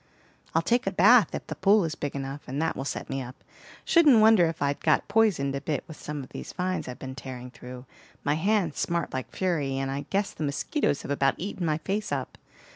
"I'll take a bath if the pool is big enough, and that will set me up. Shouldn't wonder if I'd got poisoned a bit with some of these vines I've been tearing through. My hands smart like fury, and I guess the mosquitoes have about eaten my face up.